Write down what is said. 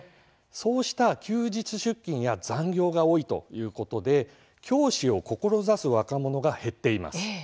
そうした休日出勤や残業が多いことで教師を志す若者が減っています。